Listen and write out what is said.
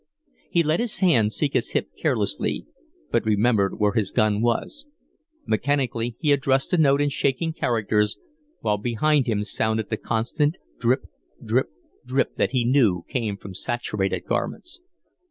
He let his hand seek his hip carelessly, but remembered where his gun was. Mechanically, he addressed the note in shaking characters, while behind him sounded the constant drip, drip, drip that he knew came from saturated garments.